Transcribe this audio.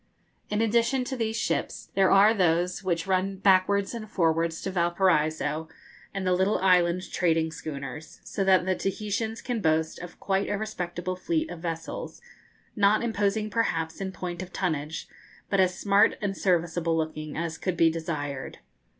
In addition to these ships, there are those which run backwards and forwards to Valparaiso, and the little island trading schooners; so that the Tahitians can boast of quite a respectable fleet of vessels, not imposing perhaps in point of tonnage, but as smart and serviceable looking as could be desired.